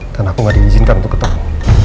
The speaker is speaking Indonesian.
dan aku nggak diizinkan untuk ketemu